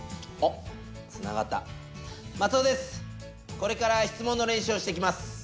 これから質問の練習をしていきます。